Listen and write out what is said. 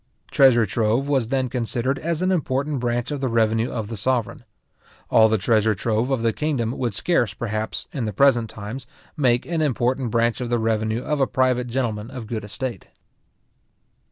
Treasure trove was then considered as an important branch of the revenue of the sovereign. All the treasure trove of the kingdom would scarce, perhaps, in the present times, make an important branch of the revenue of a private gentleman of a good estate.